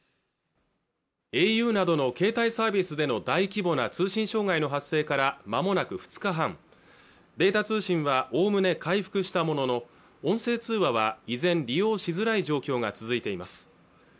ａｕなどの携帯サービスでの大規模な通信障害の発生からまもなく２日半データ通信はおおむね回復したものの音声通話は依然利用しづらい状況が続いています